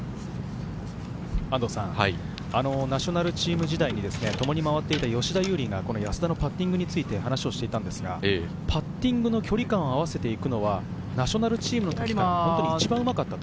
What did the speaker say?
ナショナルチーム時代に共に回っていた吉田優利が安田のパッティングについて話をしていたんですが、パッティングの距離感を合わせていくのはナショナルチームの中でも一番うまかった。